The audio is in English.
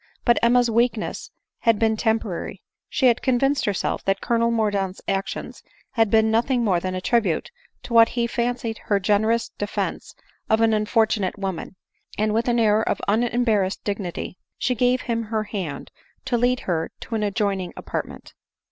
But Emma's weakness had been temporary ; she had convinced herself that Colonel Mordaunt's action had been nothing more than a tribute to what he fancied her gene rous defence of an unfortunate woman ; and with an air of unembarrassed dignity she gave him her hand to lead her into an adjoining apartment.